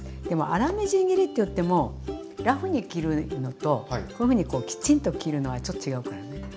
でも粗みじん切りって言ってもラフに切るのとこういうふうにきちんと切るのはちょっと違うからね。